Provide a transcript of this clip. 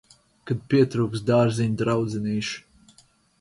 Kad pietrūkst dārziņa draudzenīšu.